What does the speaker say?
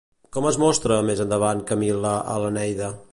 Com es mostra més endavant Camil·la a l'Eneida?